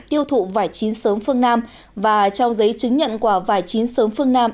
tiêu thụ vải chín sớm phương nam và trao giấy chứng nhận quả vải chín sớm phương nam